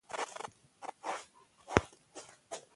د زېږېدلو ورځې يا کليزې په وياړ،